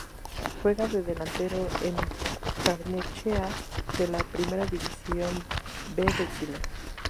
Juega de delantero en Barnechea de la Primera División B de Chile.